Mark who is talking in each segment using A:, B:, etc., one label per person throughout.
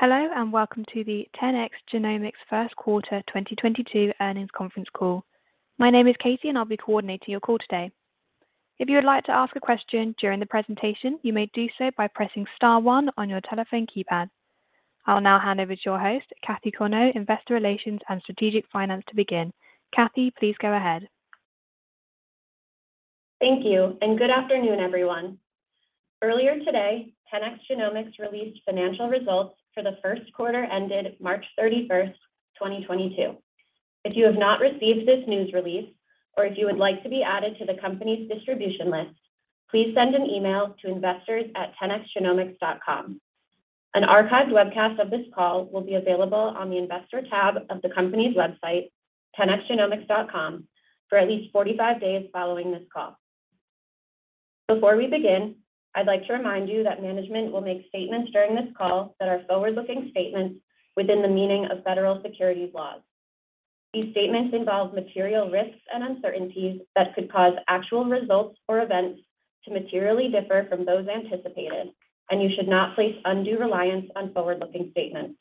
A: Hello and welcome to the 10x Genomics First Quarter 2022 earnings conference call. My name is Katie, and I'll be coordinating your call today. If you would like to ask a question during the presentation, you may do so by pressing star one on your telephone keypad. I'll now hand over to your host, Cassie Corneau, Investor Relations and Strategic Finance to begin. Cassie, please go ahead.
B: Thank you and good afternoon, everyone. Earlier today, 10x Genomics released financial results for the first quarter ended March 31, 2022. If you have not received this news release or if you would like to be added to the company's distribution list, please send an email to investors@10xgenomics.com. An archived webcast of this call will be available on the Investor tab of the company's website, 10xgenomics.com, for at least 45 days following this call. Before we begin, I'd like to remind you that management will make statements during this call that are forward-looking statements within the meaning of federal securities laws. These statements involve material risks and uncertainties that could cause actual results or events to materially differ from those anticipated, and you should not place undue reliance on forward-looking statements.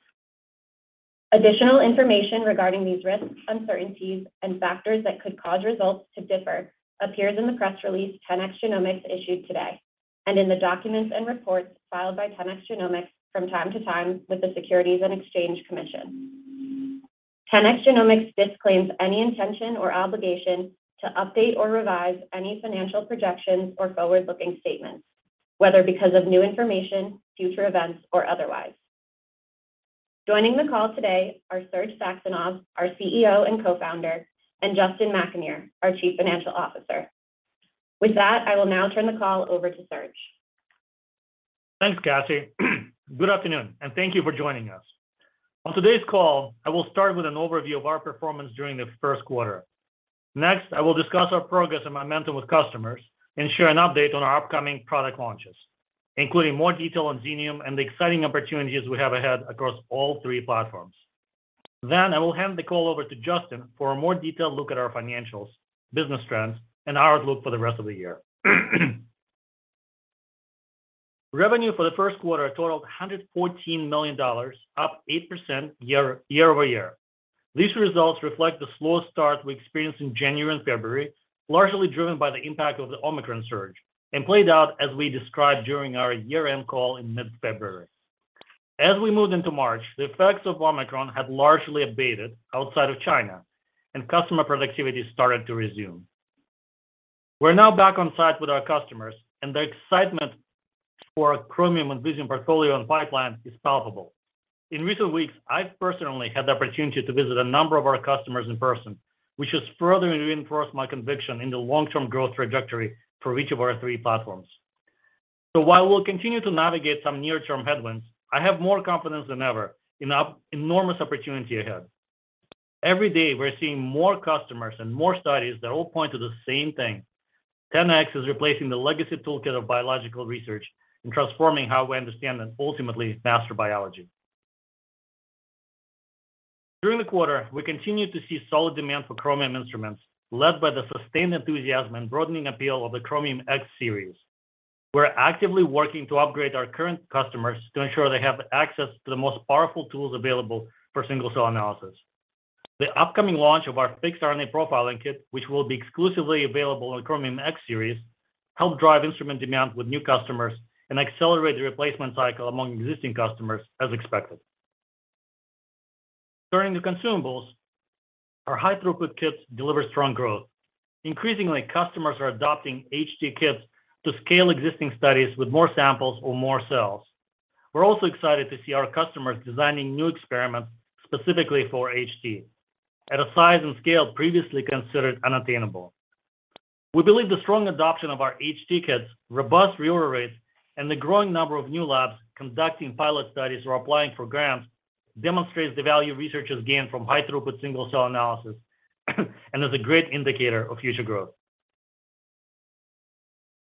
B: Additional information regarding these risks, uncertainties, and factors that could cause results to differ appears in the press release 10x Genomics issued today, and in the documents and reports filed by 10x Genomics from time to time with the Securities and Exchange Commission. 10x Genomics disclaims any intention or obligation to update or revise any financial projections or forward-looking statements, whether because of new information, future events, or otherwise. Joining the call today are Serge Saxonov, our CEO and Co-founder, and Justin McAnear, our Chief Financial Officer. With that, I will now turn the call over to Serge.
C: Thanks, Kathy. Good afternoon, and thank you for joining us. On today's call, I will start with an overview of our performance during the first quarter. Next, I will discuss our progress and momentum with customers and share an update on our upcoming product launches, including more detail on Xenium and the exciting opportunities we have ahead across all three platforms. Then I will hand the call over to Justin for a more detailed look at our financials, business trends, and our outlook for the rest of the year. Revenue for the first quarter totaled $114 million, up 8% year-over-year. These results reflect the slow start we experienced in January and February, largely driven by the impact of the Omicron surge and played out as we described during our year-end call in mid-February. As we moved into March, the effects of Omicron had largely abated outside of China and customer productivity started to resume. We're now back on site with our customers and the excitement for our Chromium and Visium portfolio and pipeline is palpable. In recent weeks, I've personally had the opportunity to visit a number of our customers in person, which has further reinforced my conviction in the long-term growth trajectory for each of our three platforms. While we'll continue to navigate some near-term headwinds, I have more confidence than ever in the enormous opportunity ahead. Every day, we're seeing more customers and more studies that all point to the same thing. 10x is replacing the legacy toolkit of biological research and transforming how we understand and ultimately master biology. During the quarter, we continued to see solid demand for Chromium instruments, led by the sustained enthusiasm and broadening appeal of the Chromium X Series. We're actively working to upgrade our current customers to ensure they have access to the most powerful tools available for single-cell analysis. The upcoming launch of our fixed RNA profiling kit, which will be exclusively available on Chromium X Series, help drive instrument demand with new customers and accelerate the replacement cycle among existing customers as expected. Turning to consumables, our high-throughput kits deliver strong growth. Increasingly, customers are adopting HT kits to scale existing studies with more samples or more cells. We're also excited to see our customers designing new experiments specifically for HT at a size and scale previously considered unattainable. We believe the strong adoption of our HT kits, robust reorder rates, and the growing number of new labs conducting pilot studies or applying for grants demonstrates the value researchers gain from high-throughput single-cell analysis and is a great indicator of future growth.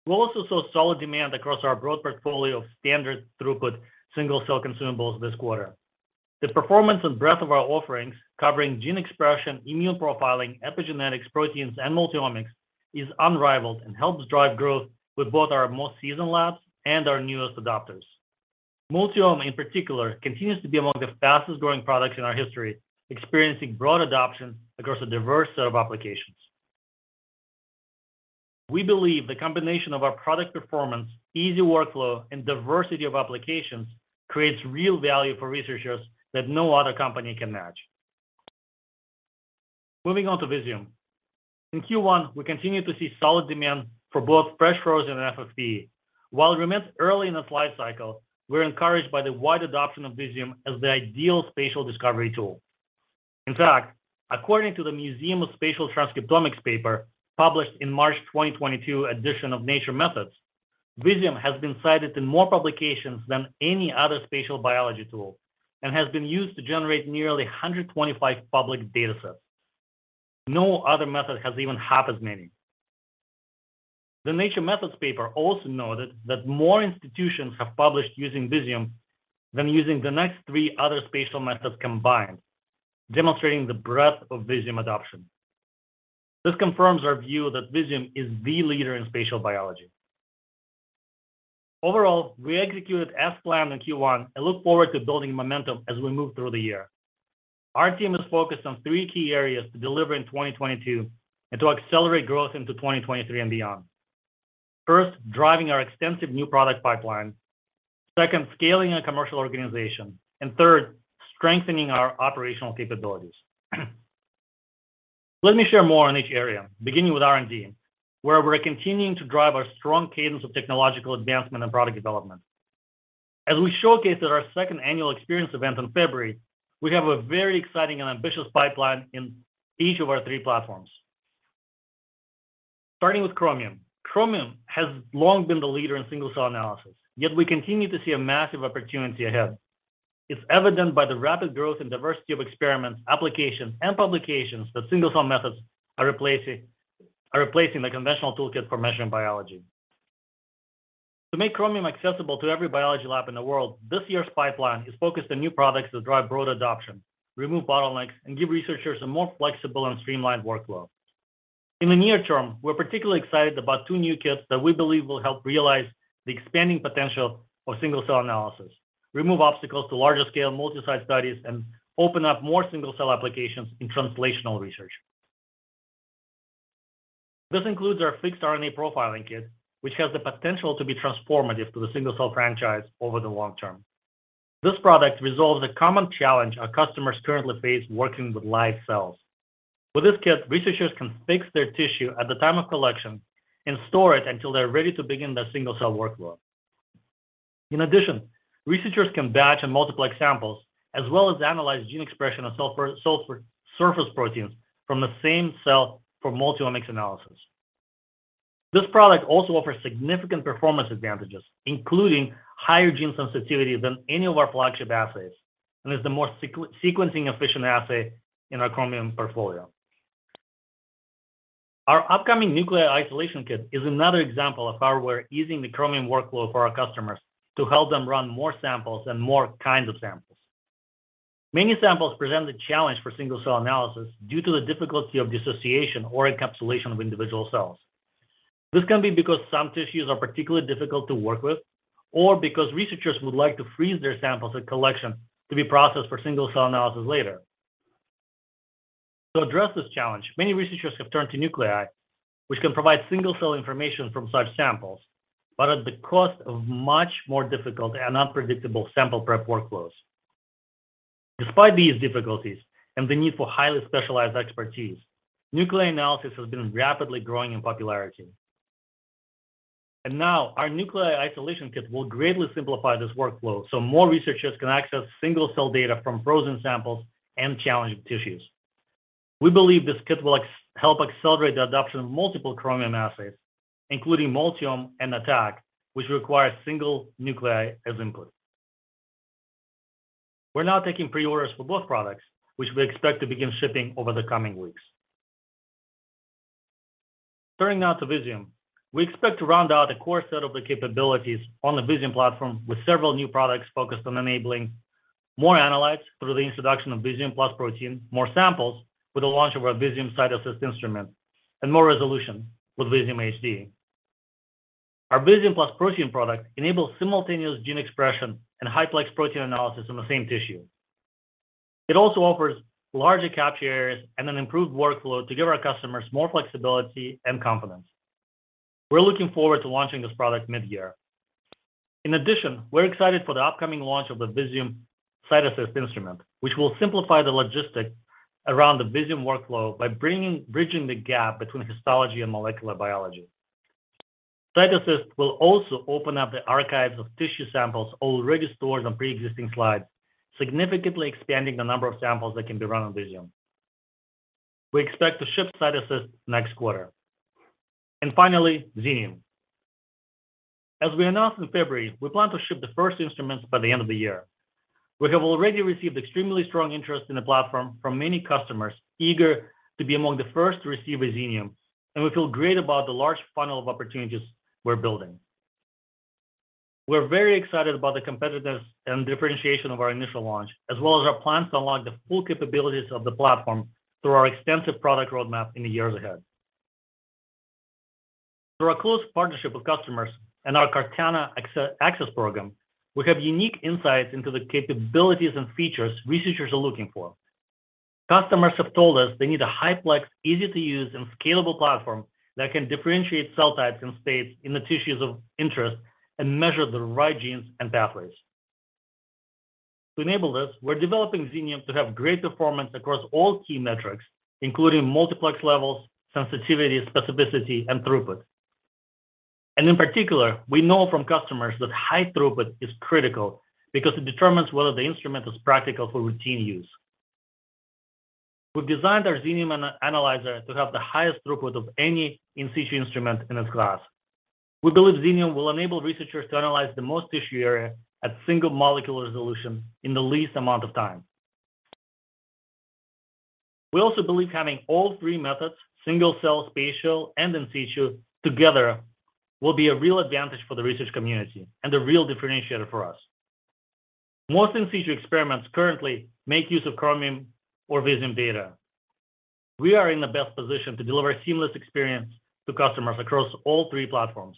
C: We also saw solid demand across our broad portfolio of standard throughput single-cell consumables this quarter. The performance and breadth of our offerings covering gene expression, immune profiling, epigenetics, proteins, and multiomics is unrivaled and helps drive growth with both our most seasoned labs and our newest adopters. Multiome in particular, continues to be among the fastest-growing products in our history, experiencing broad adoption across a diverse set of applications. We believe the combination of our product performance, easy workflow, and diversity of applications creates real value for researchers that no other company can match. Moving on to Visium. In Q1, we continued to see solid demand for both Fresh Frozen and FFPE. While it remains early in its life cycle, we're encouraged by the wide adoption of Visium as the ideal spatial discovery tool. In fact, according to the Museum of Spatial Transcriptomics paper, published in the March 2022 edition of Nature Methods, Visium has been cited in more publications than any other spatial biology tool and has been used to generate nearly 125 public datasets. No other method has even half as many. The Nature Methods paper also noted that more institutions have published using Visium than using the next three other spatial methods combined, demonstrating the breadth of Visium adoption. This confirms our view that Visium is the leader in spatial biology. Overall, we executed as planned in Q1 and look forward to building momentum as we move through the year. Our team is focused on three key areas to deliver in 2022 and to accelerate growth into 2023 and beyond. First, driving our extensive new product pipeline. Second, scaling our commercial organization. Third, strengthening our operational capabilities. Let me share more on each area, beginning with R&D, where we're continuing to drive our strong cadence of technological advancement and product development. As we showcased at our second annual experience event in February, we have a very exciting and ambitious pipeline in each of our three platforms. Starting with Chromium. Chromium has long been the leader in single-cell analysis, yet we continue to see a massive opportunity ahead. It's evident by the rapid growth and diversity of experiments, applications, and publications that single-cell methods are replacing the conventional toolkit for measuring biology. To make Chromium accessible to every biology lab in the world, this year's pipeline is focused on new products that drive broad adoption, remove bottlenecks, and give researchers a more flexible and streamlined workflow. In the near term, we're particularly excited about two new kits that we believe will help realize the expanding potential of single-cell analysis, remove obstacles to larger scale multi-site studies, and open up more single-cell applications in translational research. This includes our fixed RNA profiling kit, which has the potential to be transformative to the single-cell franchise over the long term. This product resolves a common challenge our customers currently face working with live cells. With this kit, researchers can fix their tissue at the time of collection and store it until they're ready to begin their single-cell workflow. In addition, researchers can batch and multiplex samples, as well as analyze gene expression of cell per-cell surface proteins from the same cell for multi-omics analysis. This product also offers significant performance advantages, including higher gene sensitivity than any of our flagship assays, and is the more sequencing efficient assay in our Chromium portfolio. Our upcoming nuclei isolation kit is another example of how we're easing the Chromium workflow for our customers to help them run more samples and more kinds of samples. Many samples present a challenge for single-cell analysis due to the difficulty of dissociation or encapsulation of individual cells. This can be because some tissues are particularly difficult to work with or because researchers would like to freeze their samples at collection to be processed for single-cell analysis later. To address this challenge, many researchers have turned to nuclei, which can provide single-cell information from such samples, but at the cost of much more difficult and unpredictable sample prep workflows. Despite these difficulties and the need for highly specialized expertise, nuclei analysis has been rapidly growing in popularity. Now our nuclei isolation kit will greatly simplify this workflow so more researchers can access single-cell data from frozen samples and challenging tissues. We believe this kit will help accelerate the adoption of multiple Chromium assays, including Multiome and ATAC, which require single nuclei as input. We're now taking pre-orders for both products, which we expect to begin shipping over the coming weeks. Turning now to Visium. We expect to round out a core set of the capabilities on the Visium platform with several new products focused on enabling more analytes through the introduction of Visium plus protein, more samples with the launch of our Visium CytAssist instrument, and more resolution with Visium HD. Our Visium plus protein product enables simultaneous gene expression and high-plex protein analysis in the same tissue. It also offers larger capture areas and an improved workflow to give our customers more flexibility and confidence. We're looking forward to launching this product mid-year. In addition, we're excited for the upcoming launch of the Visium CytAssist instrument, which will simplify the logistics around the Visium workflow by bridging the gap between histology and molecular biology. CytAssist will also open up the archives of tissue samples already stored on pre-existing slides, significantly expanding the number of samples that can be run on Visium. We expect to ship CytAssist next quarter. Finally, Xenium. As we announced in February, we plan to ship the first instruments by the end of the year. We have already received extremely strong interest in the platform from many customers eager to be among the first to receive a Xenium, and we feel great about the large funnel of opportunities we're building. We're very excited about the competitiveness and differentiation of our initial launch, as well as our plans to unlock the full capabilities of the platform through our extensive product roadmap in the years ahead. Through our close partnership with customers and our Cartana access program, we have unique insights into the capabilities and features researchers are looking for. Customers have told us they need a high-plex, easy-to-use, and scalable platform that can differentiate cell types and states in the tissues of interest and measure the right genes and pathways. To enable this, we're developing Xenium to have great performance across all key metrics, including multiplex levels, sensitivity, specificity, and throughput. In particular, we know from customers that high throughput is critical because it determines whether the instrument is practical for routine use. We've designed our Xenium Analyzer to have the highest throughput of any in situ instrument in its class. We believe Xenium will enable researchers to analyze the most tissue area at single molecular resolution in the least amount of time. We also believe having all three methods, single-cell, spatial, and in situ together will be a real advantage for the research community and a real differentiator for us. Most in situ experiments currently make use of Chromium or Xenium data. We are in the best position to deliver a seamless experience to customers across all three platforms,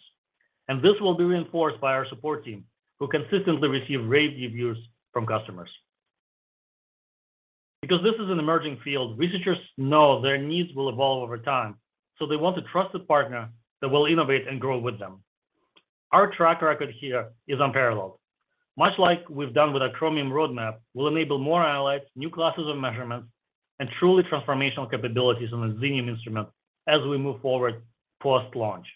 C: and this will be reinforced by our support team, who consistently receive rave reviews from customers. Because this is an emerging field, researchers know their needs will evolve over time, so they want a trusted partner that will innovate and grow with them. Our track record here is unparalleled. Much like we've done with our Chromium roadmap, we'll enable more analytics, new classes of measurements, and truly transformational capabilities on the Xenium instrument as we move forward post-launch.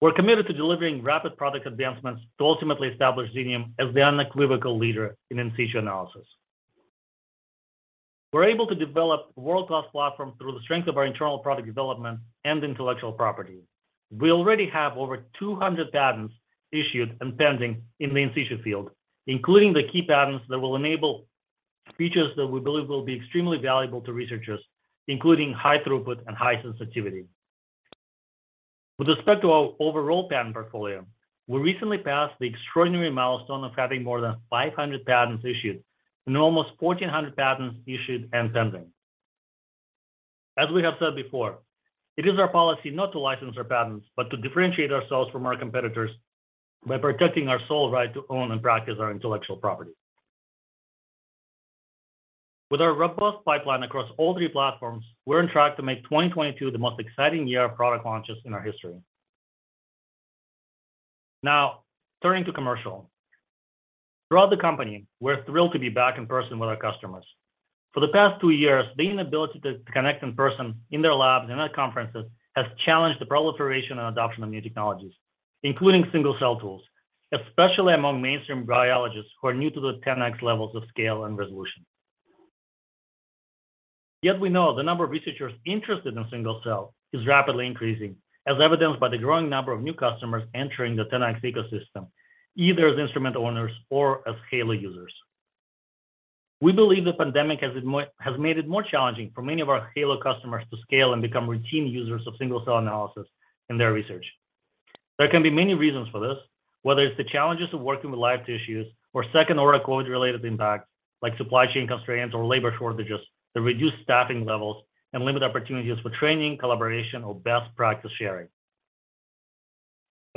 C: We're committed to delivering rapid product advancements to ultimately establish Xenium as the unequivocal leader in in situ analysis. We're able to develop world-class platforms through the strength of our internal product development and intellectual property. We already have over 200 patents issued and pending in the in situ field, including the key patents that will enable features that we believe will be extremely valuable to researchers, including high throughput and high sensitivity. With respect to our overall patent portfolio, we recently passed the extraordinary milestone of having more than 500 patents issued and almost 1,400 patents issued and pending. As we have said before, it is our policy not to license our patents, but to differentiate ourselves from our competitors by protecting our sole right to own and practice our intellectual property. With our robust pipeline across all three platforms, we're on track to make 2022 the most exciting year of product launches in our history. Now, turning to commercial. Throughout the company, we're thrilled to be back in person with our customers. For the past two years, the inability to connect in person in their labs and at conferences has challenged the proliferation and adoption of new technologies, including single-cell tools, especially among mainstream biologists who are new to the 10x levels of scale and resolution. Yet we know the number of researchers interested in single-cell is rapidly increasing, as evidenced by the growing number of new customers entering the 10x ecosystem, either as instrument owners or as HALO users. We believe the pandemic has made it more challenging for many of our HALO customers to scale and become routine users of single-cell analysis in their research. There can be many reasons for this, whether it's the challenges of working with live tissues or second-order COVID-related impacts like supply chain constraints or labor shortages that reduce staffing levels and limit opportunities for training, collaboration, or best practice sharing.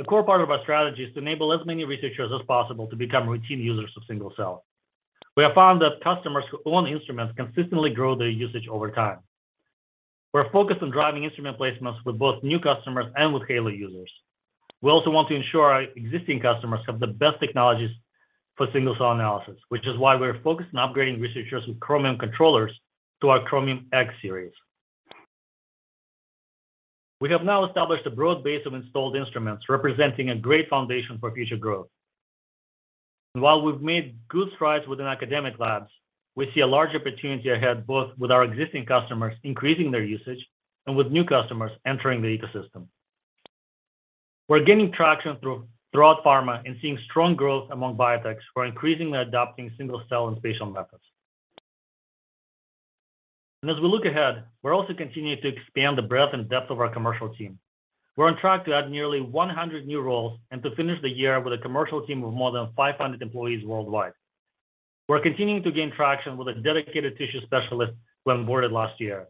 C: A core part of our strategy is to enable as many researchers as possible to become routine users of single cell. We have found that customers who own instruments consistently grow their usage over time. We're focused on driving instrument placements with both new customers and with HALO users. We also want to ensure our existing customers have the best technologies for single-cell analysis, which is why we're focused on upgrading researchers with Chromium controllers to our Chromium X Series. We have now established a broad base of installed instruments, representing a great foundation for future growth. While we've made good strides within academic labs, we see a large opportunity ahead, both with our existing customers increasing their usage and with new customers entering the ecosystem. We're gaining traction throughout pharma and seeing strong growth among biotechs who are increasingly adopting single-cell and spatial methods. As we look ahead, we're also continuing to expand the breadth and depth of our commercial team. We're on track to add nearly 100 new roles and to finish the year with a commercial team of more than 500 employees worldwide. We're continuing to gain traction with a dedicated tissue specialist who onboarded last year.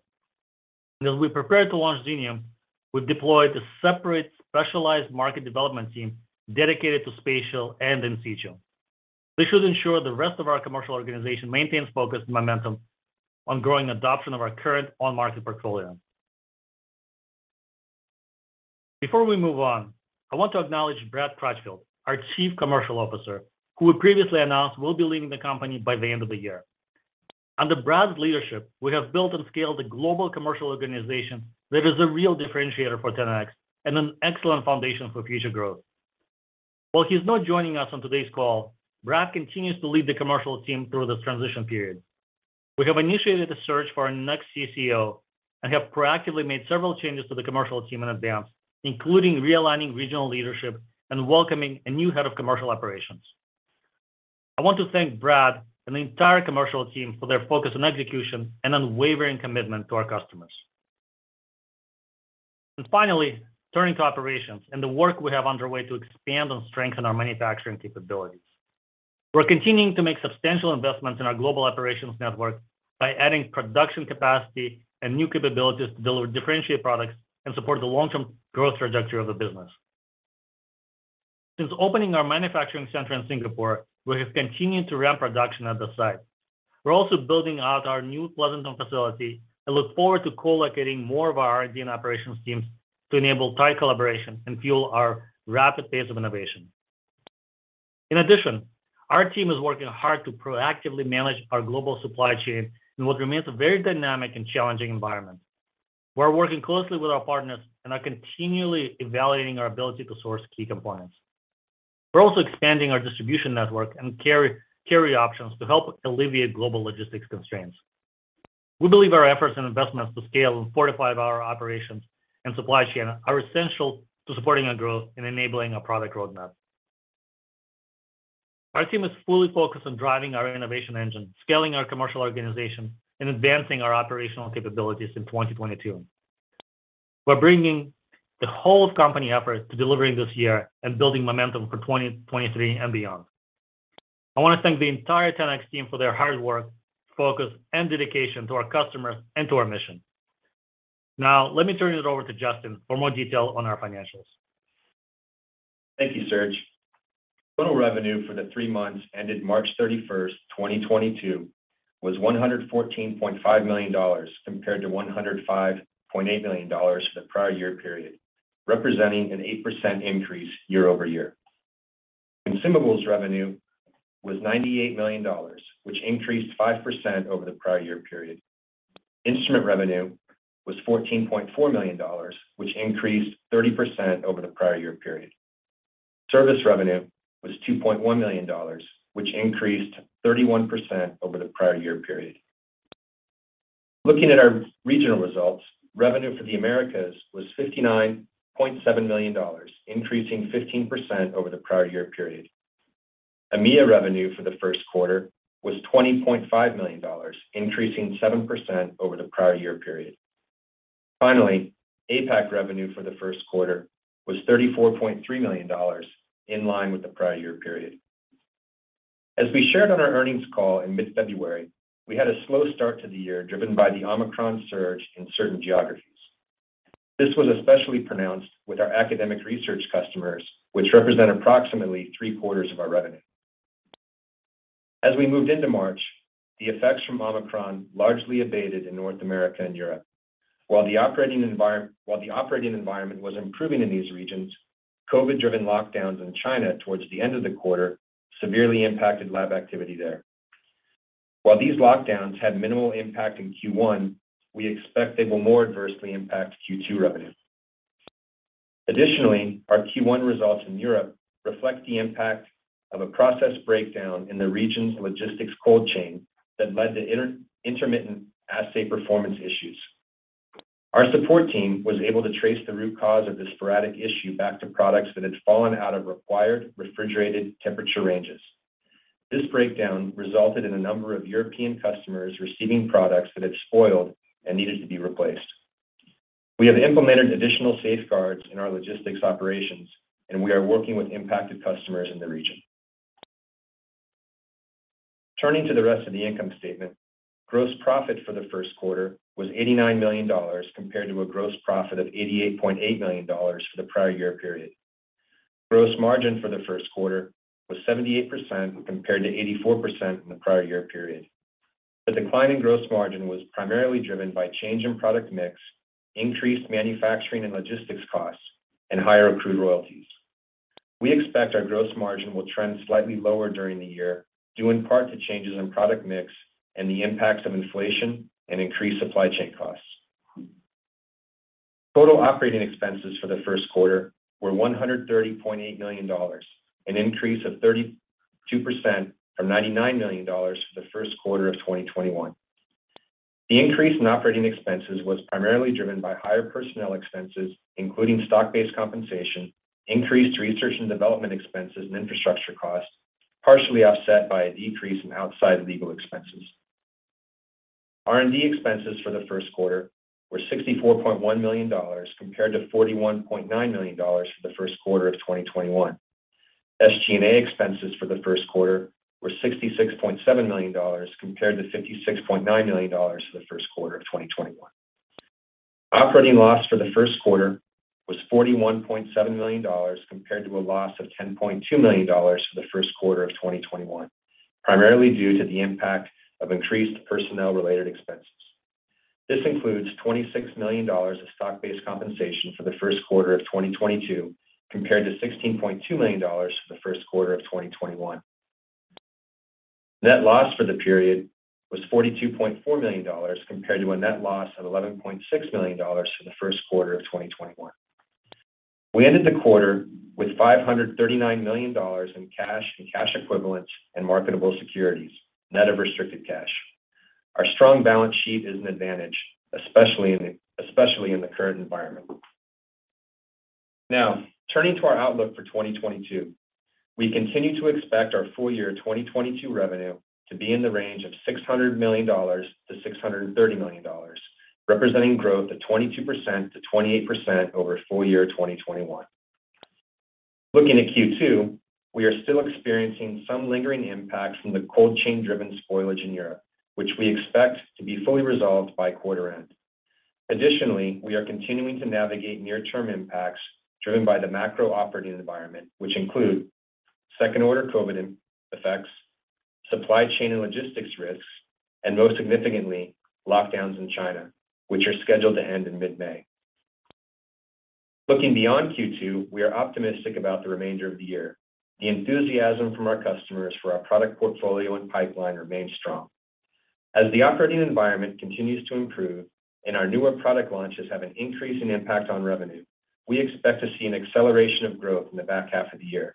C: As we prepare to launch Xenium, we've deployed a separate specialized market development team dedicated to spatial and in situ. This should ensure the rest of our commercial organization maintains focus and momentum on growing adoption of our current on-market portfolio. Before we move on, I want to acknowledge Brad Crutchfield, our Chief Commercial Officer, who we previously announced will be leaving the company by the end of the year. Under Brad's leadership, we have built and scaled a global commercial organization that is a real differentiator for 10x and an excellent foundation for future growth. While he's not joining us on today's call, Brad continues to lead the commercial team through this transition period. We have initiated a search for our next CCO and have proactively made several changes to the commercial team in advance, including realigning regional leadership and welcoming a new head of commercial operations. I want to thank Brad and the entire commercial team for their focus on execution and unwavering commitment to our customers. Finally, turning to operations and the work we have underway to expand and strengthen our manufacturing capabilities. We're continuing to make substantial investments in our global operations network by adding production capacity and new capabilities to deliver differentiated products and support the long-term growth trajectory of the business. Since opening our manufacturing center in Singapore, we have continued to ramp production at the site. We're also building out our new Pleasanton facility and look forward to co-locating more of our R&D and operations teams to enable tight collaboration and fuel our rapid pace of innovation. In addition, our team is working hard to proactively manage our global supply chain in what remains a very dynamic and challenging environment. We're working closely with our partners and are continually evaluating our ability to source key components. We're also expanding our distribution network and carry options to help alleviate global logistics constraints. We believe our efforts and investments to scale and fortify our operations and supply chain are essential to supporting our growth and enabling our product roadmap. Our team is fully focused on driving our innovation engine, scaling our commercial organization, and advancing our operational capabilities in 2022. We're bringing the whole company effort to delivering this year and building momentum for 2023 and beyond. I wanna thank the entire 10x team for their hard work, focus, and dedication to our customers and to our mission. Now let me turn it over to Justin for more detail on our financials.
D: Thank you, Serge. Total revenue for the three months ended March 31, 2022 was $114.5 million compared to $105.8 million for the prior year period, representing an 8% increase year-over-year. Consumables revenue was $98 million, which increased 5% over the prior year period. Instrument revenue was $14.4 million, which increased 30% over the prior year period. Service revenue was $2.1 million, which increased 31% over the prior year period. Looking at our regional results, revenue for the Americas was $59.7 million, increasing 15% over the prior year period. EMEA revenue for the first quarter was $20.5 million, increasing 7% over the prior year period. Finally, APAC revenue for the first quarter was $34.3 million in line with the prior year period. As we shared on our earnings call in mid-February, we had a slow start to the year, driven by the Omicron surge in certain geographies. This was especially pronounced with our academic research customers, which represent approximately three-quarters of our revenue. As we moved into March, the effects from Omicron largely abated in North America and Europe. While the operating environment was improving in these regions, COVID-driven lockdowns in China towards the end of the quarter severely impacted lab activity there. While these lockdowns had minimal impact in Q1, we expect they will more adversely impact Q2 revenue. Additionally, our Q1 results in Europe reflect the impact of a process breakdown in the region's logistics cold chain that led to intermittent assay performance issues. Our support team was able to trace the root cause of the sporadic issue back to products that had fallen out of required refrigerated temperature ranges. This breakdown resulted in a number of European customers receiving products that had spoiled and needed to be replaced. We have implemented additional safeguards in our logistics operations, and we are working with impacted customers in the region. Turning to the rest of the income statement. Gross profit for the first quarter was $89 million, compared to a gross profit of $88.8 million for the prior year period. Gross margin for the first quarter was 78% compared to 84% in the prior year period. The decline in gross margin was primarily driven by change in product mix, increased manufacturing and logistics costs, and higher accrued royalties. We expect our gross margin will trend slightly lower during the year, due in part to changes in product mix and the impacts of inflation and increased supply chain costs. Total operating expenses for the first quarter were $130.8 million, an increase of 32% from $99 million for the first quarter of 2021. The increase in operating expenses was primarily driven by higher personnel expenses, including stock-based compensation, increased research and development expenses and infrastructure costs, partially offset by a decrease in outside legal expenses. R&D expenses for the first quarter were $64.1 million compared to $41.9 million for the first quarter of 2021. SG&A expenses for the first quarter were $66.7 million compared to $56.9 million for the first quarter of 2021. Operating loss for the first quarter was $41.7 million compared to a loss of $10.2 million for the first quarter of 2021, primarily due to the impact of increased personnel-related expenses. This includes $26 million of stock-based compensation for the first quarter of 2022 compared to $16.2 million for the first quarter of 2021. Net loss for the period was $42.4 million compared to a net loss of $11.6 million for the first quarter of 2021. We ended the quarter with $539 million in cash and cash equivalents and marketable securities, net of restricted cash. Our strong balance sheet is an advantage, especially in the current environment. Now turning to our outlook for 2022. We continue to expect our full year 2022 revenue to be in the range of $600 million-$630 million, representing growth of 22%-28% over full year 2021. Looking at Q2, we are still experiencing some lingering impacts from the cold chain driven spoilage in Europe, which we expect to be fully resolved by quarter end. Additionally, we are continuing to navigate near term impacts driven by the macro operating environment, which include second order COVID effects, supply chain and logistics risks, and most significantly, lockdowns in China, which are scheduled to end in mid-May. Looking beyond Q2, we are optimistic about the remainder of the year. The enthusiasm from our customers for our product portfolio and pipeline remain strong. As the operating environment continues to improve and our newer product launches have an increasing impact on revenue, we expect to see an acceleration of growth in the back half of the year.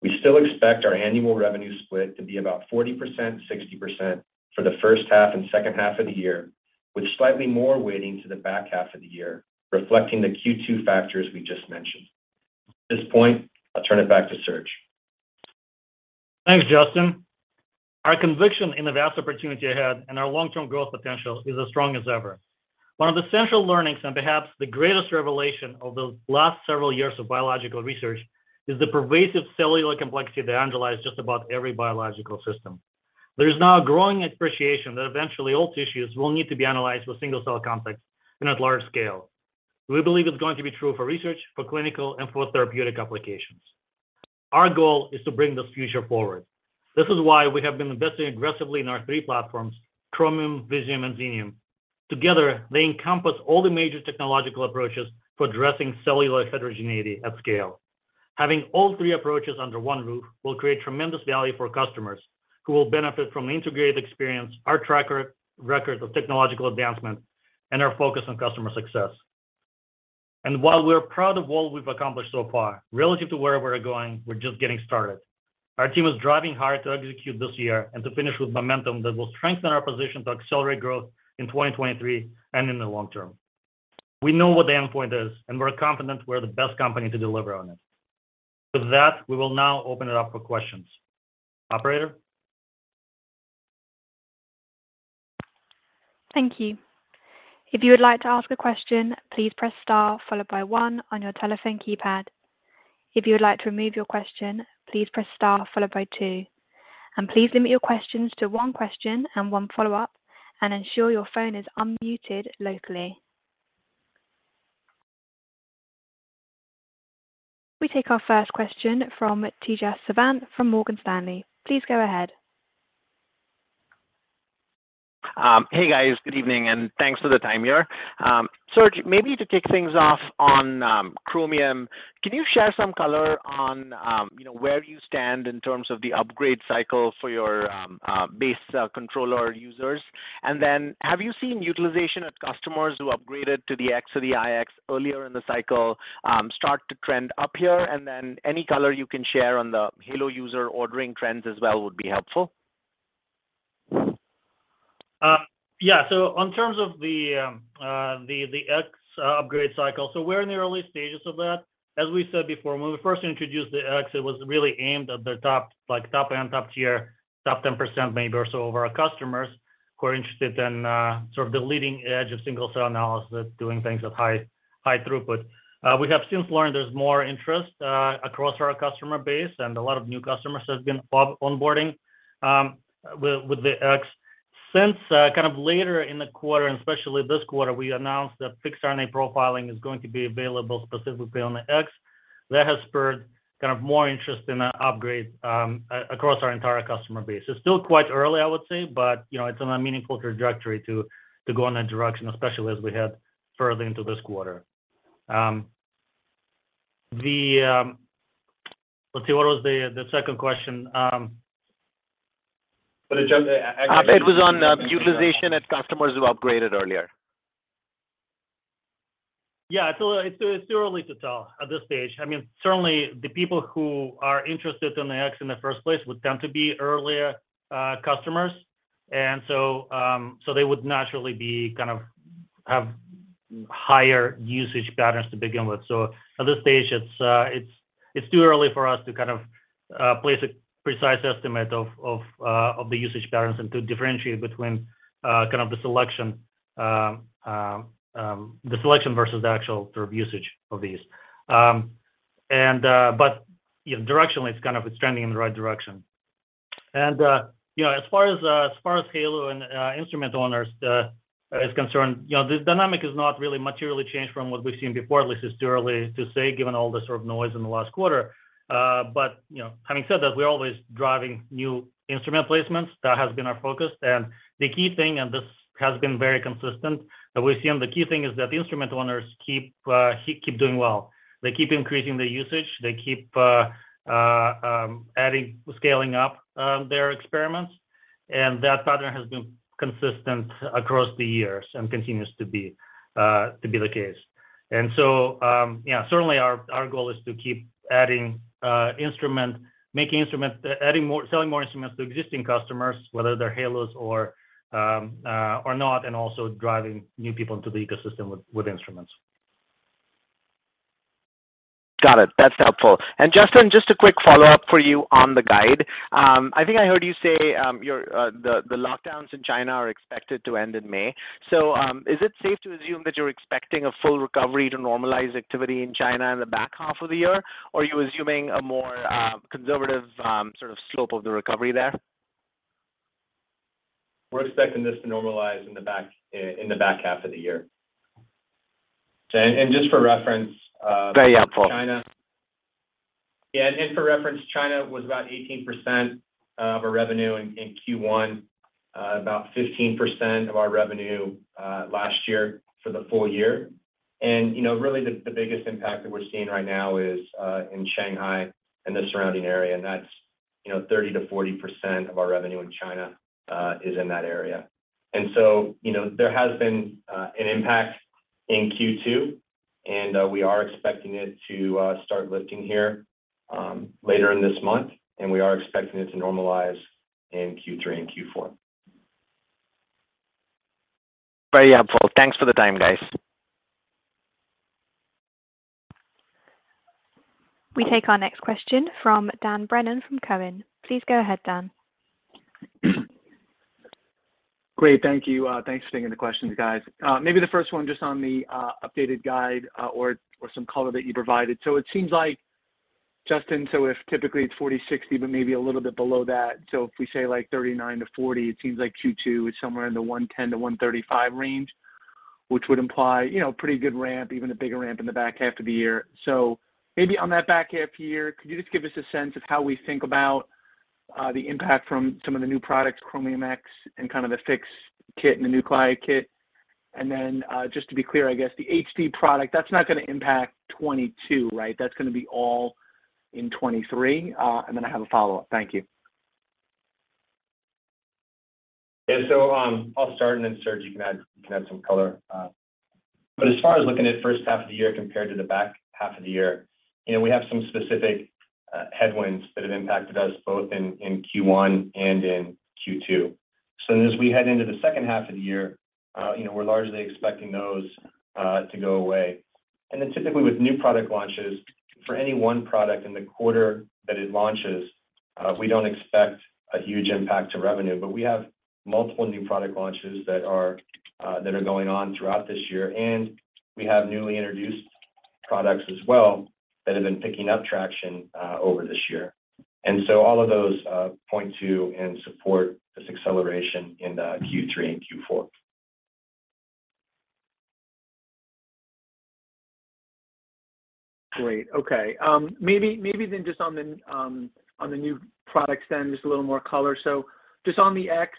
D: We still expect our annual revenue split to be about 40%, 60% for the first half and second half of the year, with slightly more weighting to the back half of the year, reflecting the Q2 factors we just mentioned. At this point, I'll turn it back to Serge.
C: Thanks, Justin. Our conviction in the vast opportunity ahead and our long-term growth potential is as strong as ever. One of the central learnings, and perhaps the greatest revelation of the last several years of biological research, is the pervasive cellular complexity that underlies just about every biological system. There is now a growing appreciation that eventually all tissues will need to be analyzed with single-cell context and at large scale. We believe it's going to be true for research, for clinical, and for therapeutic applications. Our goal is to bring this future forward. This is why we have been investing aggressively in our three platforms, Chromium, Visium, and Xenium. Together, they encompass all the major technological approaches for addressing cellular heterogeneity at scale. Having all three approaches under one roof will create tremendous value for customers who will benefit from integrated experience, our track record of technological advancement, and our focus on customer success. While we're proud of all we've accomplished so far, relative to where we're going, we're just getting started. Our team is driving hard to execute this year and to finish with momentum that will strengthen our position to accelerate growth in 2023 and in the long term. We know what the endpoint is, and we're confident we're the best company to deliver on it. With that, we will now open it up for questions. Operator?
A: Thank you. If you would like to ask a question, please press star followed by one on your telephone keypad. If you would like to remove your question, please press star followed by two. Please limit your questions to one question and one follow-up, and ensure your phone is unmuted locally. We take our first question from Tejas Savant from Morgan Stanley. Please go ahead.
E: Hey, guys. Good evening, and thanks for the time here. Serge, maybe to kick things off on Chromium, can you share some color on, you know, where you stand in terms of the upgrade cycle for your base controller users? And then have you seen utilization at customers who upgraded to the X or the iX earlier in the cycle start to trend up here? And then any color you can share on the HALO user ordering trends as well would be helpful.
C: Yeah. In terms of the X upgrade cycle, we're in the early stages of that. As we said before, when we first introduced the X, it was really aimed at the top, like top end, top tier, top 10% maybe or so of our customers who are interested in sort of the leading edge of single-cell analysis, doing things with high throughput. We have since learned there's more interest across our customer base, and a lot of new customers have been onboarding with the X. Since kind of later in the quarter, and especially this quarter, we announced that fixed RNA profiling is going to be available specifically on the X. That has spurred kind of more interest in upgrades across our entire customer base. It's still quite early, I would say, but, you know, it's on a meaningful trajectory to go in that direction, especially as we head further into this quarter. Let's see, what was the second question?
E: It was on utilization at customers who upgraded earlier.
C: Yeah. It's too early to tell at this stage. I mean, certainly the people who are interested in the X in the first place would tend to be earlier customers. They would naturally kind of have higher usage patterns to begin with. At this stage, it's too early for us to kind of place a precise estimate of the usage patterns and to differentiate between kind of the selection versus the actual sort of usage of these. But directionally it's trending in the right direction. You know, as far as HALO and instrument owners is concerned, you know, the dynamic has not really materially changed from what we've seen before. At least it's too early to say given all the sort of noise in the last quarter. You know, having said that, we're always driving new instrument placements. That has been our focus. The key thing, and this has been very consistent, that we've seen, the key thing is that the instrument owners keep doing well. They keep increasing their usage, they keep adding, scaling up, their experiments. That pattern has been consistent across the years and continues to be the case. Yeah, certainly our goal is to keep adding instrument, making instruments, adding more, selling more instruments to existing customers, whether they're HALO or not, and also driving new people into the ecosystem with instruments.
E: Got it. That's helpful. Justin, just a quick follow-up for you on the guide. I think I heard you say the lockdowns in China are expected to end in May. Is it safe to assume that you're expecting a full recovery to normalize activity in China in the back half of the year? Or are you assuming a more conservative sort of slope of the recovery there?
D: We're expecting this to normalize in the back half of the year. Just for reference,
E: Very helpful.
D: China. Yeah, for reference, China was about 18% of our revenue in Q1, about 15% of our revenue last year for the full year. You know, really the biggest impact that we're seeing right now is in Shanghai and the surrounding area, and that's, you know, 30%-40% of our revenue in China is in that area. You know, there has been an impact in Q2, and we are expecting it to start lifting here later in this month, and we are expecting it to normalize in Q3 and Q4.
E: Very helpful. Thanks for the time, guys.
A: We take our next question from Dan Brennan from TD Cowen. Please go ahead, Dan.
F: Great, thank you. Thanks for taking the questions, guys. Maybe the first one just on the updated guide, or some color that you provided. It seems like, Justin, so if typically it's 40/60, but maybe a little bit below that, so if we say like 39-40, it seems like Q2 is somewhere in the 110-135 range, which would imply, you know, pretty good ramp, even a bigger ramp in the back half of the year. Maybe on that back half year, could you just give us a sense of how we think about the impact from some of the new products, Chromium X and kind of the fixed kit and the nuclei kit? And then, just to be clear, I guess the HD product, that's not gonna impact 2022, right? That's gonna be all in 2023. I have a follow-up. Thank you.
D: Yeah. I'll start, and then Serge, you can add some color. As far as looking at first half of the year compared to the back half of the year, you know, we have some specific headwinds that have impacted us both in Q1 and in Q2. As we head into the second half of the year, you know, we're largely expecting those to go away. Typically with new product launches, for any one product in the quarter that it launches, we don't expect a huge impact to revenue, but we have multiple new product launches that are going on throughout this year, and we have newly introduced products as well that have been picking up traction over this year. All of those point to and support this acceleration in Q3 and Q4.
F: Great. Okay. Maybe then just on the new product then, just a little more color. Just on the X,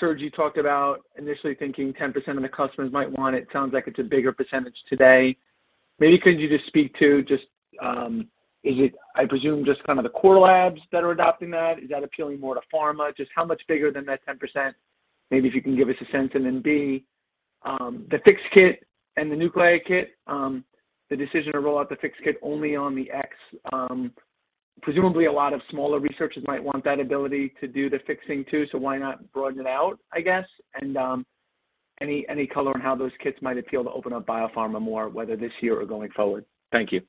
F: Serge, you talked about initially thinking 10% of the customers might want it. Sounds like it's a bigger percentage today. Maybe could you just speak to just, is it, I presume, just kind of the core labs that are adopting that? Is that appealing more to pharma? Just how much bigger than that 10%, maybe if you can give us a sense. B, the fixed kit and the nuclei kit, the decision to roll out the fixed kit only on the X, presumably a lot of smaller researchers might want that ability to do the fixing too, so why not broaden it out, I guess? Any color on how those kits might appeal to open up biopharma more, whether this year or going forward? Thank you.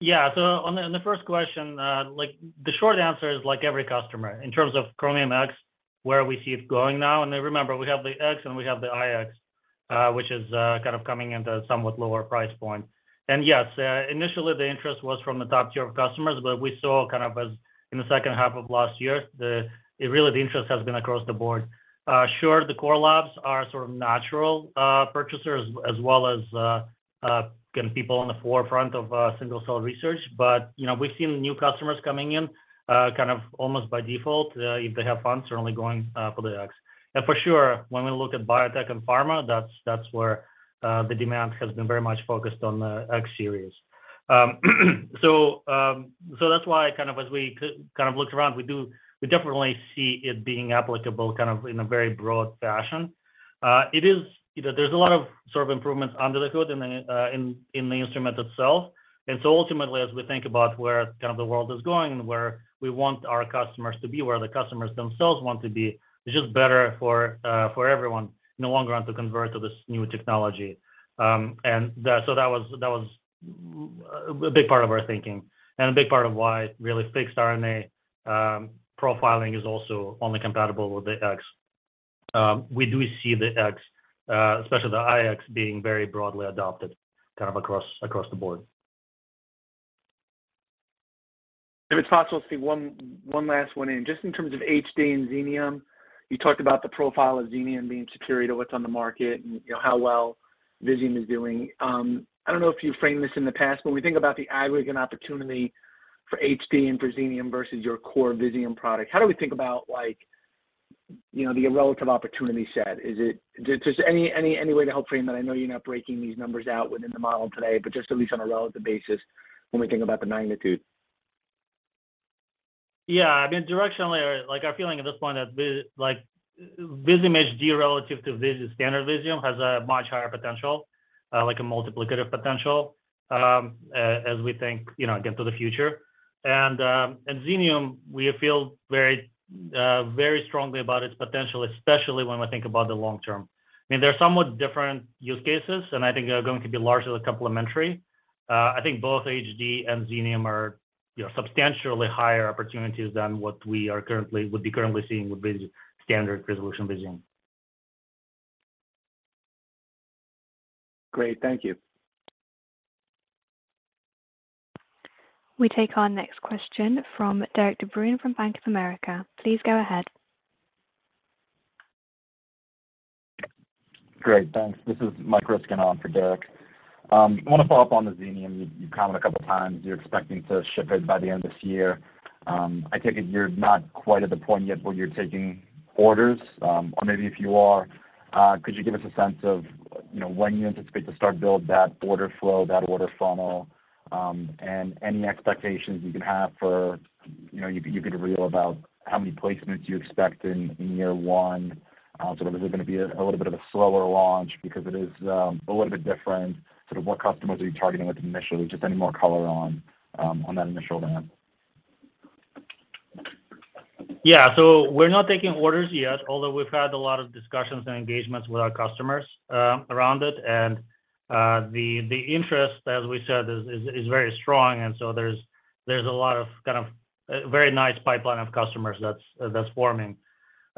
C: Yeah. On the first question, like, the short answer is like every customer. In terms of Chromium X, where we see it going now, and then remember, we have the X and we have the iX, which is kind of coming into somewhat lower price point. Yes, initially the interest was from the top tier of customers, but we saw kind of as in the second half of last year, really the interest has been across the board. Sure, the core labs are sort of natural purchasers as well as again, people on the forefront of single cell research. You know, we've seen new customers coming in kind of almost by default, if they have funds, certainly going for the X. For sure, when we look at biotech and pharma, that's where the demand has been very much focused on the X Series. That's why kind of, as we kind of looked around, we definitely see it being applicable kind of in a very broad fashion. It is, you know, there's a lot of sort of improvements under the hood in the instrument itself. Ultimately, as we think about where kind of the world is going and where we want our customers to be, where the customers themselves want to be, it's just better for everyone no longer have to convert to this new technology. That was a big part of our thinking and a big part of why really fixed RNA profiling is also only compatible with the X. We do see the X, especially the iX, being very broadly adopted kind of across the board.
F: If it's possible to squeeze one last one in. Just in terms of HD and Xenium, you talked about the profile of Xenium being superior to what's on the market and, you know, how well Visium is doing. I don't know if you framed this in the past, but when we think about the aggregate opportunity for HD and for Xenium versus your core Visium product, how do we think about like, you know, the relative opportunity set? Is there any way to help frame that? I know you're not breaking these numbers out within the model today, but just at least on a relative basis when we think about the magnitude.
C: Yeah. I mean, directionally, like our feeling at this point that like Visium HD relative to standard Visium has a much higher potential, like a multiplicative potential, as we think, you know, again to the future. Xenium, we feel very strongly about its potential, especially when we think about the long term. I mean, there are somewhat different use cases, and I think they're going to be largely complementary. I think both HD and Xenium are, you know, substantially higher opportunities than what we are currently seeing with standard resolution Visium.
F: Great. Thank you.
A: We take our next question from Derik de Bruin from Bank of America. Please go ahead.
G: Great. Thanks. This is Michael Ryskin on for Derik de Bruin. I want to follow up on the Xenium. You've commented a couple of times you're expecting to ship it by the end of this year. I take it you're not quite at the point yet where you're taking orders, or maybe if you are, could you give us a sense of, you know, when you anticipate to start build that order flow, that order funnel, and any expectations you can have for, you know, you can reveal about how many placements you expect in year one. Sort of is it gonna be a little bit of a slower launch because it is a little bit different, sort of what customers are you targeting with initially, just any more color on that initial ramp?
C: Yeah. We're not taking orders yet, although we've had a lot of discussions and engagements with our customers around it. The interest, as we said, is very strong. There's a lot of kind of very nice pipeline of customers that's forming.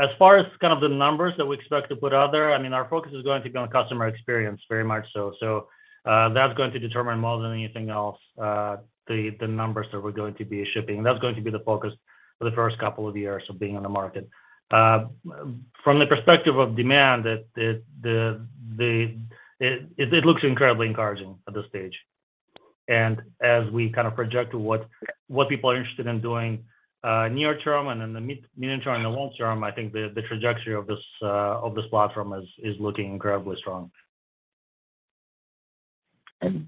C: As far as kind of the numbers that we expect to put out there, I mean, our focus is going to be on customer experience very much so. That's going to determine more than anything else the numbers that we're going to be shipping. That's going to be the focus for the first couple of years of being on the market. From the perspective of demand, it looks incredibly encouraging at this stage. As we kind of project what people are interested in doing, near term and in the mid term and the long term, I think the trajectory of this platform is looking incredibly strong.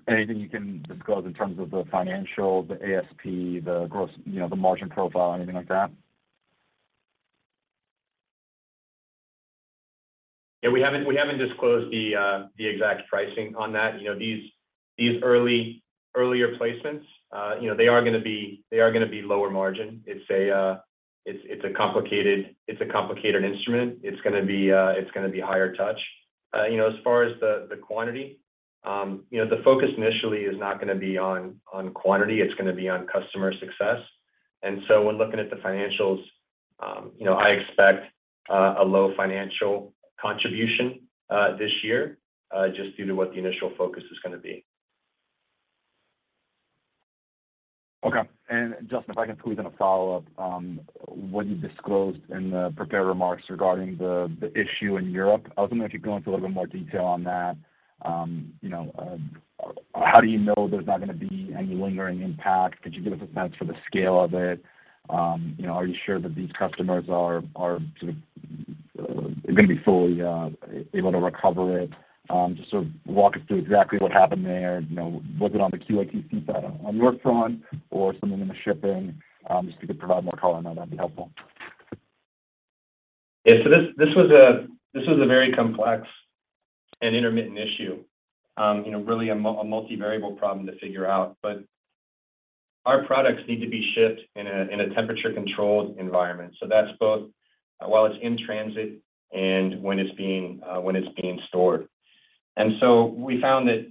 G: Anything you can disclose in terms of the financial, the ASP, the gross, you know, the margin profile, anything like that?
D: Yeah, we haven't disclosed the exact pricing on that. You know, these earlier placements, you know, they are gonna be lower margin. It's a complicated instrument. It's gonna be higher touch. You know, as far as the quantity, you know, the focus initially is not gonna be on quantity, it's gonna be on customer success. When looking at the financials, you know, I expect a low financial contribution this year, just due to what the initial focus is gonna be.
G: Okay. Justin, if I can please then a follow-up. What you disclosed in the prepared remarks regarding the issue in Europe, I was wondering if you could go into a little bit more detail on that. You know, how do you know there's not gonna be any lingering impact? Could you give us a sense for the scale of it? You know, are you sure that these customers are sort of gonna be fully able to recover it? Just sort of walk us through exactly what happened there. You know, was it on the QATP side on your front or something in the shipping? Just if you could provide more color on that'd be helpful.
D: Yeah. This was a very complex and intermittent issue, you know, really a multivariable problem to figure out. Our products need to be shipped in a temperature-controlled environment, so that's both while it's in transit and when it's being stored. We found that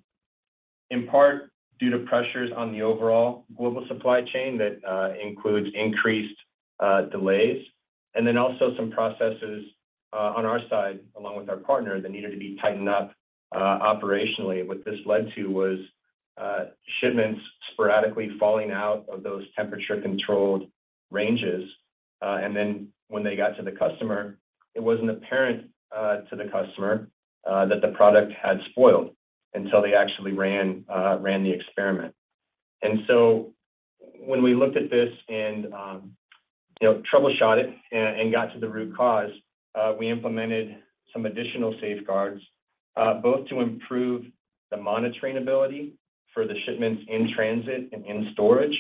D: in part, due to pressures on the overall global supply chain, that includes increased delays and then also some processes on our side along with our partner that needed to be tightened up operationally. What this led to was shipments sporadically falling out of those temperature-controlled ranges. When they got to the customer, it wasn't apparent to the customer that the product had spoiled until they actually ran the experiment. When we looked at this and, you know, troubleshot it and got to the root cause, we implemented some additional safeguards, both to improve the monitoring ability for the shipments in transit and in storage,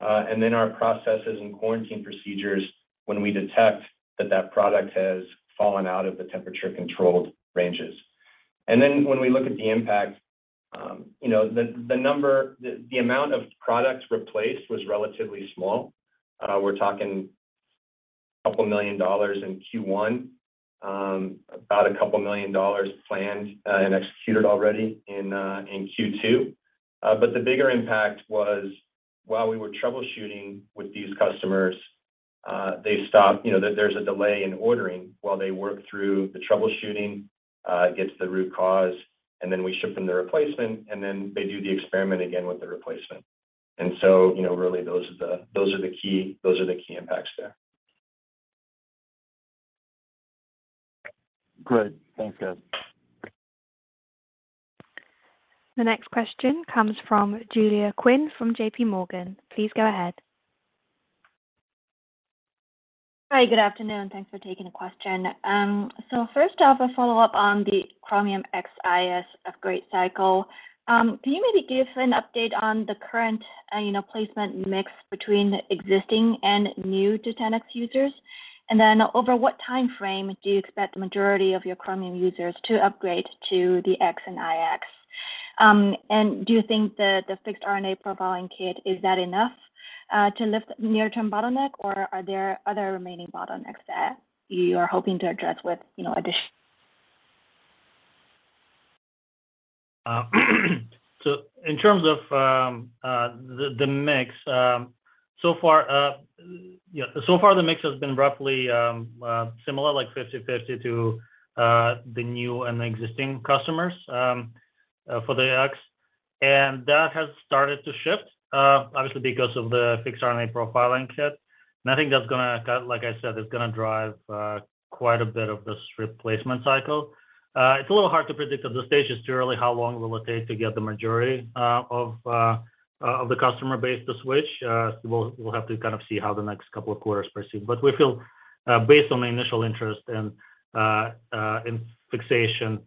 D: and then our processes and quarantine procedures when we detect that product has fallen out of the temperature-controlled ranges. When we look at the impact, the amount of products replaced was relatively small. We're talking $2 million in Q1, about $2 million planned and executed already in Q2. But the bigger impact was, while we were troubleshooting with these customers, they stopped. You know, there's a delay in ordering while they work through the troubleshooting, get to the root cause, and then we ship them the replacement, and then they do the experiment again with the replacement. You know, really those are the key impacts there.
G: Great. Thanks, guys.
A: The next question comes from Julia Qin from J.P. Morgan. Please go ahead.
H: Hi, good afternoon. Thanks for taking the question. First off, a follow-up on the Chromium X iX upgrade cycle. Can you maybe give an update on the current placement mix between existing and new GenX users? Over what timeframe do you expect the majority of your Chromium users to upgrade to the X and iX? Do you think the Fixed RNA Profiling Kit is enough to lift near-term bottleneck, or are there other remaining bottlenecks that you are hoping to address?
C: In terms of the mix so far, yeah, so far the mix has been roughly similar, like 50/50 to the new and existing customers for the X. That has started to shift obviously because of the Fixed RNA Profiling Kit. I think that's gonna like I said is gonna drive quite a bit of this replacement cycle. It's a little hard to predict at this stage. It's too early how long will it take to get the majority of the customer base to switch. We'll have to kind of see how the next couple of quarters proceed. We feel, based on the initial interest and in fixation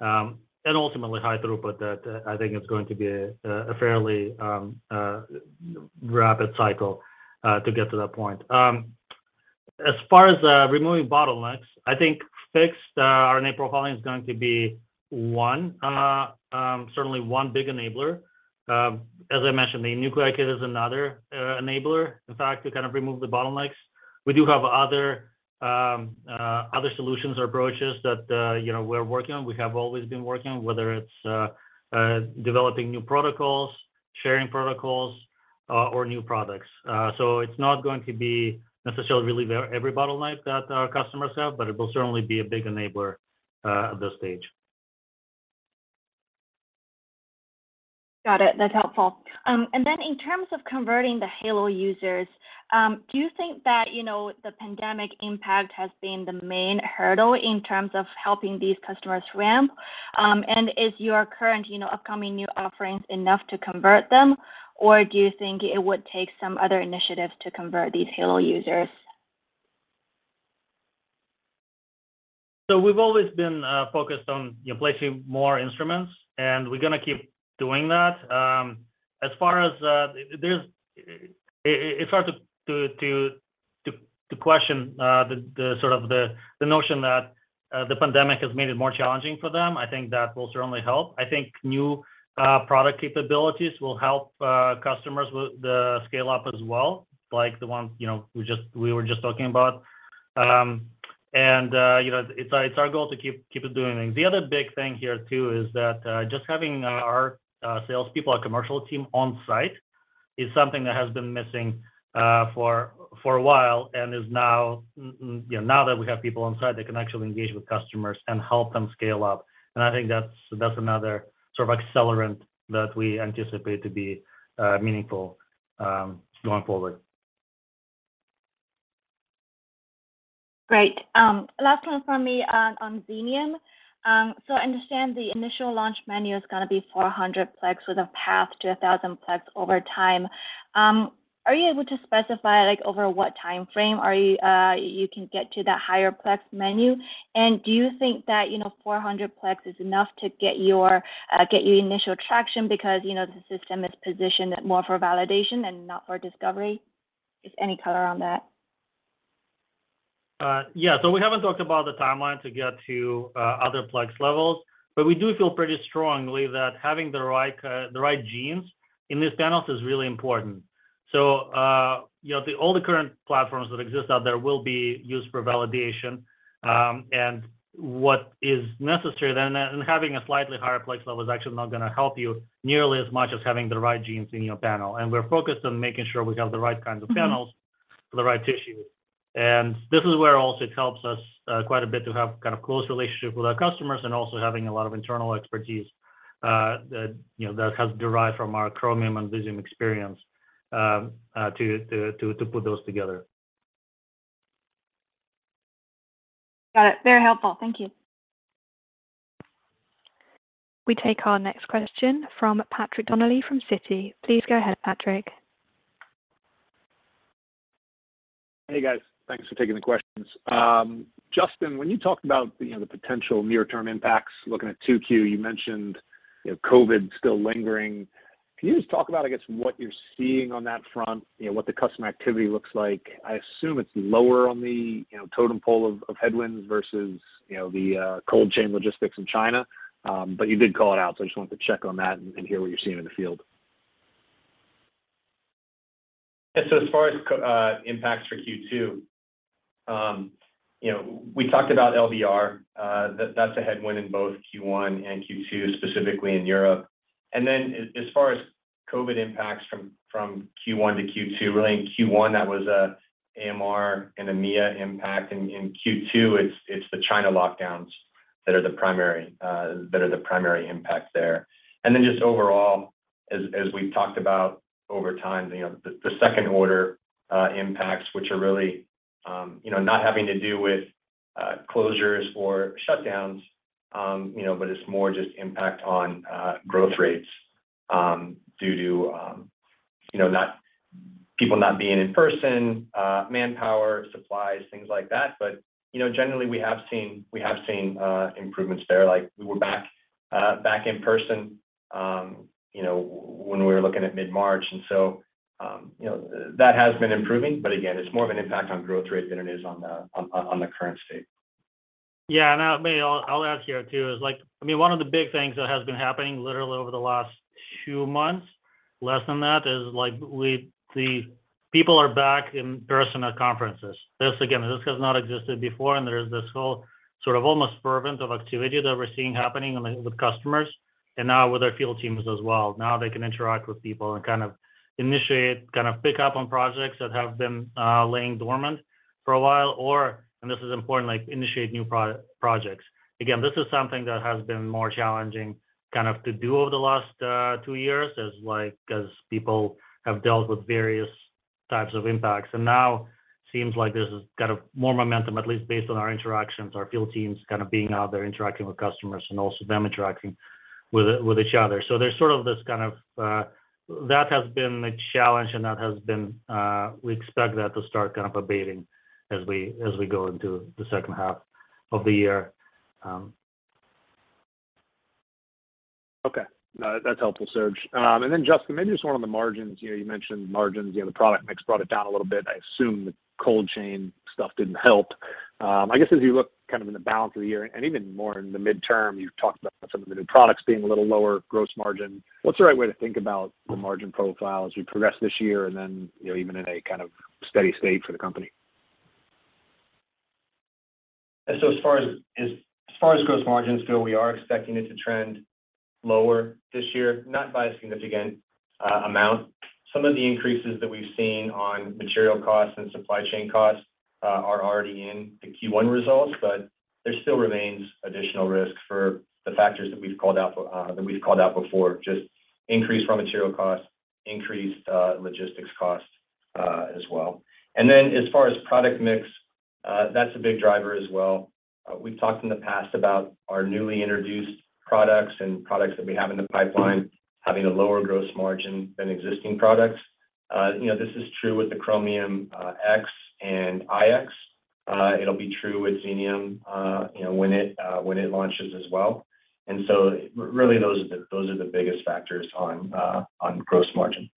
C: and ultimately high throughput, that I think it's going to be a fairly rapid cycle to get to that point. As far as removing bottlenecks, I think Fixed RNA Profiling is going to be one, certainly one big enabler. As I mentioned, the Nuclei kit is another enabler, in fact, to kind of remove the bottlenecks. We do have other solutions or approaches that, you know, we're working on, we have always been working on, whether it's developing new protocols, sharing protocols, or new products. It's not going to be necessarily relieve every bottleneck that our customers have, but it will certainly be a big enabler at this stage.
H: Got it. That's helpful. In terms of converting the HALO users, do you think that, you know, the pandemic impact has been the main hurdle in terms of helping these customers ramp? Is your current, you know, upcoming new offerings enough to convert them? Do you think it would take some other initiatives to convert these HALO users?
C: We've always been focused on, you know, placing more instruments, and we're gonna keep doing that. As far as, it's hard to question the sort of notion that the pandemic has made it more challenging for them. I think that will certainly help. I think new product capabilities will help customers with the scale-up as well, like the ones, you know, we were just talking about. You know, it's our goal to keep doing it. The other big thing here too is that just having our salespeople, our commercial team on-site is something that has been missing for a while and is now. You know, now that we have people on-site, they can actually engage with customers and help them scale up. I think that's another sort of accelerant that we anticipate to be meaningful going forward.
H: Great. Last one from me on Xenium. So I understand the initial launch menu is gonna be 400-plex with a path to 1,000-plex over time. Are you able to specify, like, over what timeframe you can get to that higher plex menu? And do you think that, you know, 400-plex is enough to get you initial traction because, you know, the system is positioned more for validation than not for discovery? If any color on that.
C: Yeah. We haven't talked about the timeline to get to other plex levels, but we do feel pretty strongly that having the right genes in these panels is really important. You know, all the current platforms that exist out there will be used for validation. What is necessary then, and having a slightly higher plex level is actually not gonna help you nearly as much as having the right genes in your panel. We're focused on making sure we have the right kinds of panels for the right tissues. This is where also it helps us quite a bit to have kind of close relationship with our customers and also having a lot of internal expertise, that you know that has derived from our Chromium and Visium experience to put those together.
H: Got it. Very helpful. Thank you.
A: We take our next question from Patrick Donnelly from Citi. Please go ahead, Patrick.
I: Hey, guys. Thanks for taking the questions. Justin, when you talked about, you know, the potential near term impacts, looking at Q2, you mentioned, you know, COVID still lingering. Can you just talk about, I guess, what you're seeing on that front? You know, what the customer activity looks like. I assume it's lower on the, you know, totem pole of headwinds versus, you know, the cold chain logistics in China. But you did call it out, so I just wanted to check on that and hear what you're seeing in the field.
D: Yeah. As far as impacts for Q2, you know, we talked about LBR, that's a headwind in both Q1 and Q2, specifically in Europe. As far as COVID impacts from Q1 to Q2, really in Q1, that was AMR and EMEA impact. In Q2, it's the China lockdowns that are the primary impact there. Just overall, as we've talked about over time, you know, the second order impacts, which are really, you know, not having to do with closures or shutdowns, you know, but it's more just impact on growth rates due to, you know, people not being in person, manpower, supplies, things like that. You know, generally we have seen improvements there. Like, we were back in person, you know, when we were looking at mid-March. You know, that has been improving. Again, it's more of an impact on growth rate than it is on the current state.
C: Maybe I'll add here too is like, I mean, one of the big things that has been happening literally over the last two months, less than that, is like the people are back in person at conferences. This, again, this has not existed before, and there's this whole sort of almost fervor of activity that we're seeing happening with customers and now with our field teams as well. Now they can interact with people and kind of initiate, kind of pick up on projects that have been laying dormant for a while or, and this is important, like initiate new projects. Again, this is something that has been more challenging kind of to do over the last two years as 'cause people have dealt with various types of impacts. Now seems like there's kind of more momentum, at least based on our interactions, our field teams kind of being out there interacting with customers and also them interacting with each other. There's sort of this kind of that has been a challenge, and we expect that to start kind of abating as we go into the second half of the year.
I: Okay. No, that's helpful, Serge. Justin, maybe just one on the margins. You know, you mentioned margins. You know, the product mix brought it down a little bit. I assume the cold chain stuff didn't help. I guess as you look kind of in the balance of the year and even more in the midterm, you've talked about some of the new products being a little lower gross margin. What's the right way to think about the margin profile as we progress this year and then, you know, even in a kind of steady state for the company?
D: As far as gross margins go, we are expecting it to trend lower this year, not by a significant amount. Some of the increases that we've seen on material costs and supply chain costs are already in the Q1 results, but there still remains additional risk for the factors that we've called out before. Just increased raw material costs, increased logistics costs, as well. As far as product mix, that's a big driver as well. We've talked in the past about our newly introduced products and products that we have in the pipeline having a lower gross margin than existing products. You know, this is true with the Chromium X and iX. It'll be true with Xenium, you know, when it launches as well. Really those are the biggest factors on gross margin.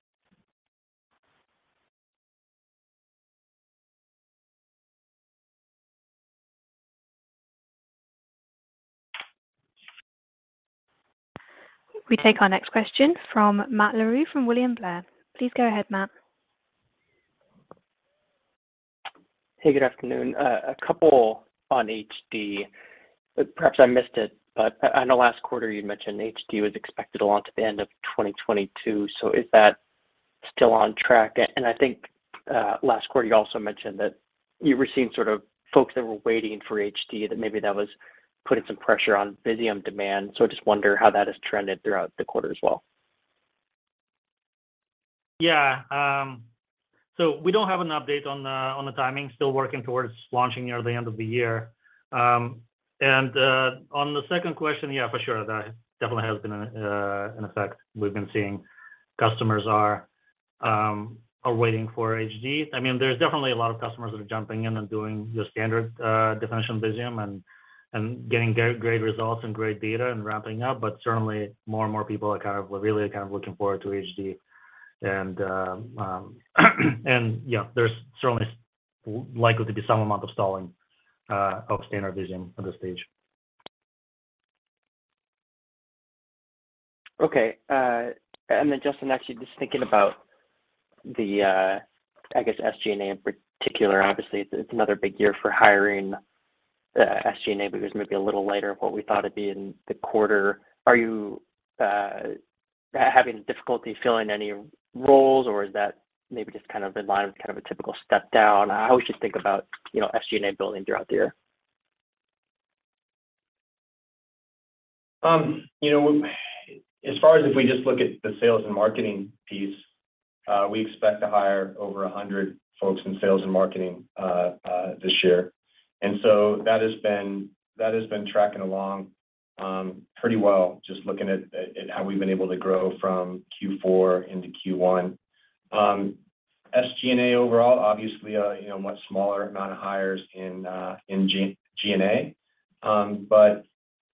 A: We take our next question from Matt Larew from William Blair. Please go ahead, Matt.
J: Hey, good afternoon. A couple on HD. Perhaps I missed it, but I know last quarter you'd mentioned HD was expected to launch at the end of 2022. Is that still on track? I think last quarter you also mentioned that you were seeing sort of folks that were waiting for HD, that maybe that was putting some pressure on Visium demand. I just wonder how that has trended throughout the quarter as well.
C: Yeah. So we don't have an update on the timing. Still working towards launching near the end of the year. On the second question, yeah, for sure, that definitely has been an effect. We've been seeing customers are waiting for HD. I mean, there's definitely a lot of customers that are jumping in and doing the standard definition Visium and getting great results and great data and ramping up. But certainly more and more people are kind of really kind of looking forward to HD and yeah, there's certainly likely to be some amount of stalling of standard Visium at this stage.
J: Okay. Justin, actually just thinking about the, I guess SG&A in particular. Obviously it's another big year for hiring SG&A, but it was maybe a little lighter than what we thought it'd be in the quarter. Are you having difficulty filling any roles or is that maybe just kind of in line with kind of a typical step down? How we should think about, you know, SG&A building throughout the year?
D: You know, as far as if we just look at the sales and marketing piece, we expect to hire over 100 folks in sales and marketing this year. That has been tracking along pretty well, just looking at how we've been able to grow from Q4 into Q1. SG&A overall, obviously, you know, a much smaller amount of hires in G&A.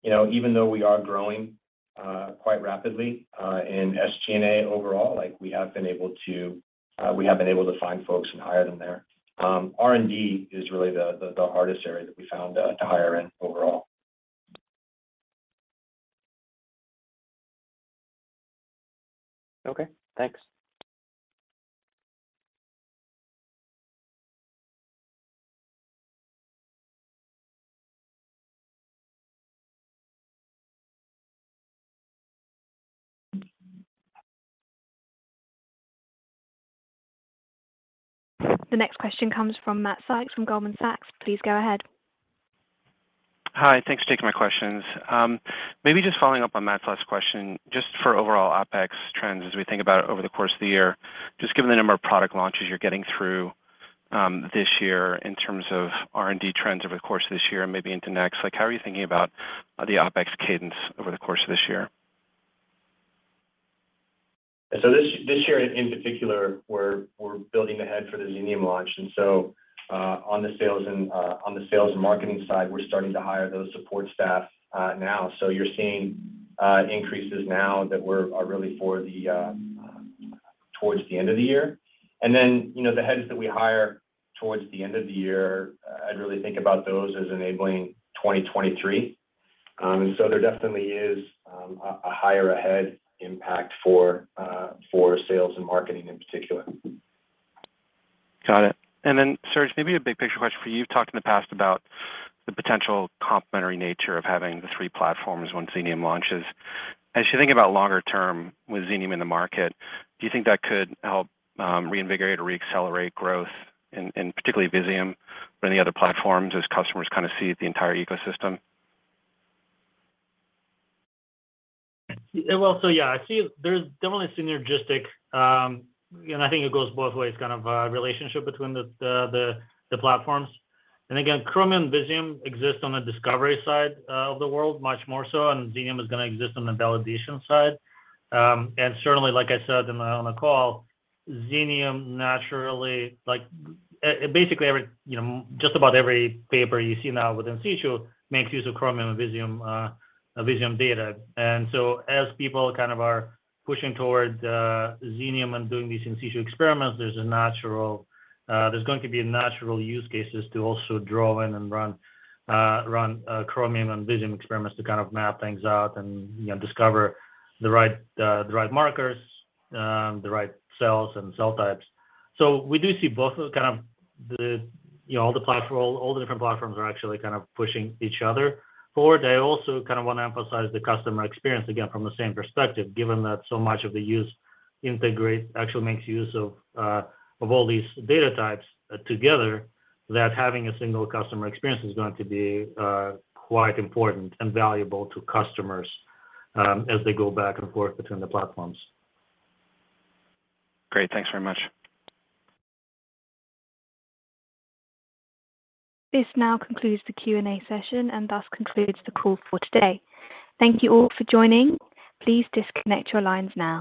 D: You know, even though we are growing quite rapidly in SG&A overall, like we have been able to find folks and hire them there. R&D is really the hardest area that we found to hire in overall.
J: Okay, thanks.
A: The next question comes from Matthew Sykes from Goldman Sachs. Please go ahead.
K: Hi. Thanks for taking my questions. Maybe just following up on Matt's last question, just for overall OpEx trends as we think about over the course of the year. Just given the number of product launches you're getting through, this year in terms of R&D trends over the course of this year and maybe into next. Like how are you thinking about the OpEx cadence over the course of this year?
D: This year in particular, we're building ahead for the Xenium launch. On the sales and marketing side, we're starting to hire those support staff now. You're seeing increases now that are really towards the end of the year. You know, the heads that we hire towards the end of the year, I'd really think about those as enabling 2023. There definitely is a higher head impact for sales and marketing in particular.
K: Got it. Serge, maybe a big picture question for you. You've talked in the past about the potential complementary nature of having the three platforms when Xenium launches. As you think about longer term with Xenium in the market, do you think that could help, reinvigorate or reaccelerate growth in particular Visium or any other platforms as customers kind of see the entire ecosystem?
C: Yeah, I see there's definitely synergistic, you know, I think it goes both ways, kind of, relationship between the platforms. Again, Chromium and Visium exist on the discovery side of the world, much more so, and Xenium is gonna exist on the validation side. Certainly, like I said on the call, Xenium naturally like, basically every, you know, just about every paper you see now with in situ makes use of Chromium and Visium data. As people kind of are pushing towards Xenium and doing these in situ experiments, there's going to be natural use cases to also draw in and run Chromium and Visium experiments to kind of map things out and, you know, discover the right markers, the right cells and cell types. We do see both as kind of the, you know, all the platform, all the different platforms are actually kind of pushing each other forward. I also kind of want to emphasize the customer experience again from the same perspective, given that so much of the use actually makes use of all these data types together, that having a single customer experience is going to be quite important and valuable to customers, as they go back and forth between the platforms.
K: Great. Thanks very much.
A: This now concludes the Q and A session and thus concludes the call for today. Thank you all for joining. Please disconnect your lines now.